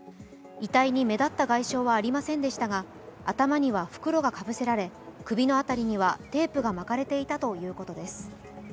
遺体に目立った外傷はありませんでしたが頭には袋がかぶせられ首の辺りにはテープが巻かれていたということです。